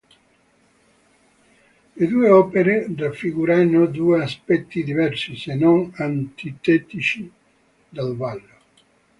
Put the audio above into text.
Le due opere raffigurano due aspetti diversi, se non antitetici, del ballo.